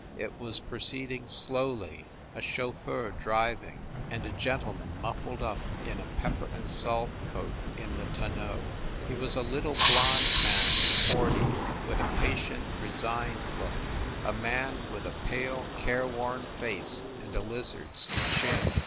It was proceeding slowly, a chauf feur driving, and a gentleman muffled up in a pep per and salt coat in the tonneau. He was a little blonde man of forty with a patient, resigned look, a man with a pale, careworn face and a lizard s chin.